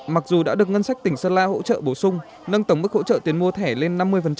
mặc dù đã được ngân sách tỉnh sơn la hỗ trợ bổ sung nâng tổng mức hỗ trợ tiền mua thẻ lên năm mươi